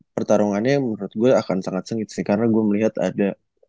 pertarungannya menurut gue akan sangat sengit sih karena gue melihat ada